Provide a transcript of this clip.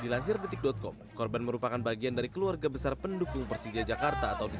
dilansir detik com korban merupakan bagian dari keluarga besar pendukung persija jakarta atau di